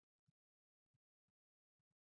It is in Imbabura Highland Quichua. Chay kuytsa shayarishpa purirka